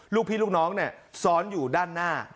ลูกพี่ลูกน้องซ้อนอยู่ด้านหน้า